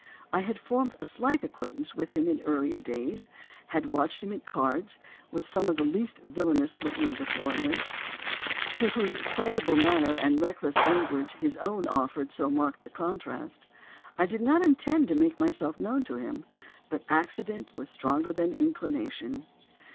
I had formed a slight acquaintance with him in earlier days; had watched him at cards, with some of the least villanous looking of the foreigners, to whose excitable manner and reckless language his own offered so marked a contrast. I did not intend to make myself known to him, but accident was stronger than inclination.